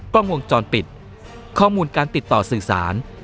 กล้องวงจรปิดข้อมูลการติดต่อสื่อสาร